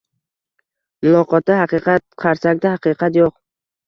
Muloqotda haqiqat, qarsakda haqiqat yoʻq.